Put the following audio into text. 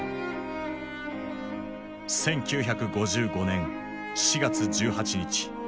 １９５５年４月１８日。